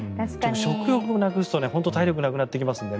食欲をなくすと体力なくなってきますので。